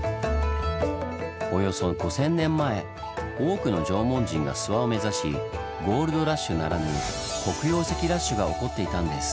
およそ５，０００年前多くの縄文人が諏訪を目指しゴールドラッシュならぬ黒曜石ラッシュが起こっていたんです。